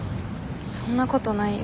そんなことないよ。